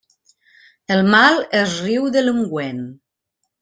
El mal es riu de l'ungüent.